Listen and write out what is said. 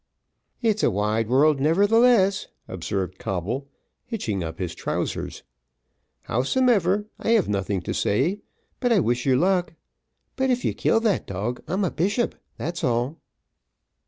"It's a wide world, nevertheless," observed Coble, hitching up his trousers; "howsomever, I have nothing to say, but I wish you luck; but if you kill that dog, I'm a bishop that's all."